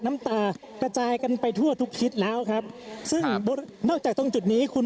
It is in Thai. น้ำตากระจายกันไปทั่วทุกทิศแล้วครับซึ่งนอกจากตรงจุดนี้คุณ